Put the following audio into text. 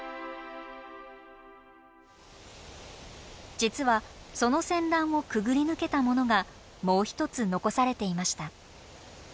実はその戦乱をくぐり抜けたものがもう一つ残されていました。